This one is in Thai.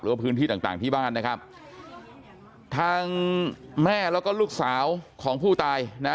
ว่าพื้นที่ต่างต่างที่บ้านนะครับทางแม่แล้วก็ลูกสาวของผู้ตายนะ